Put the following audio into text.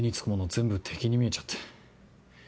全部敵に見えちゃって。